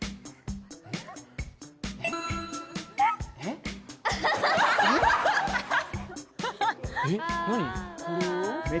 えっ・